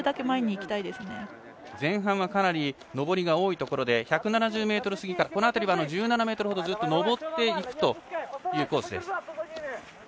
前半はかなり上りが多いところで１７０ｍ過ぎた辺りは１７ｍほど上っていくコースです。